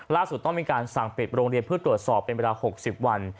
ต้องมีการสั่งปิดโรงเรียนเพื่อตรวจสอบเป็นเวลา๖๐วัน